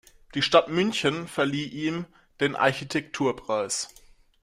Die Stadt München verlieh ihm den Architekturpreis.